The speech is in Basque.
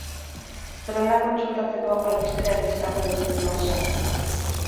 Zerrenda kontsultatzeko, albistera erantsitako dokumentuan sartu.